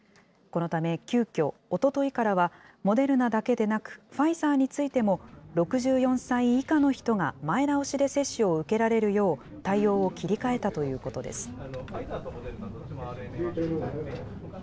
このため急きょ、おとといからは、モデルナだけでなく、ファイザーについても、６４歳以下の人が前倒しで接種を受けられるよう、対応を切り替えたということです。